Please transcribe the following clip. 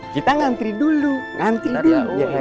kita ngantri dulu ngantri